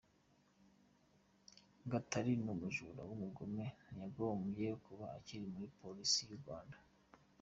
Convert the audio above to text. Gatari ni umujura numugome ntiyakagombye kuba akiri muri police yu Rwanda.